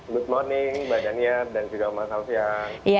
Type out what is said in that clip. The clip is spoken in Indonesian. good morning mbak jania dan juga mbak kalfian